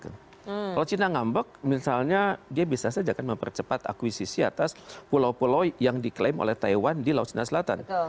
kalau china ngambek misalnya dia bisa saja akan mempercepat akuisisi atas pulau pulau yang diklaim oleh taiwan di laut cina selatan